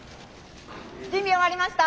準備終わりました。